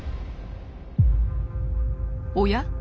おや？